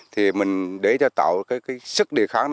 thì mình để cho tạo sức địa kháng